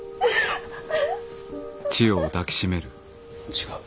違う。